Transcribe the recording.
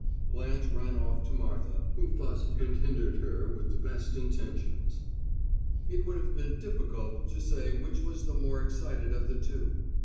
Blanche ran off to Martha, who fussed and hindered her with the best intentions. It would have been difficult to say which was the more excited of the two.